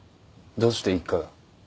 どうして一課が？